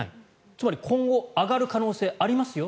つまり今後、上がる可能性ありますよ